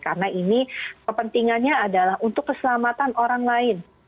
karena ini kepentingannya adalah untuk keselamatan orang lain